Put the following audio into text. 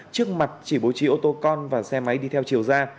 trước mặt chỉ bố trí ô tô con và xe máy đi theo chiều ra